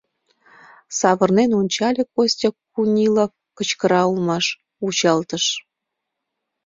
Савырнен ончале — Костя Кунилов кычкыра улмаш, вучалтыш.